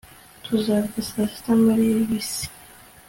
Tuzarya saa sita muri bisi